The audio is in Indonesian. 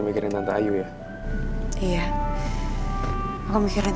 mending bacanya pas kita jalan